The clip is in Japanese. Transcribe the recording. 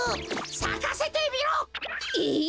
さかせてみろ！えっ！？